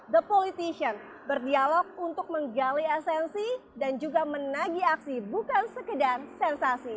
the politician berdialog untuk menggali esensi dan juga menagi aksi bukan sekedar sensasi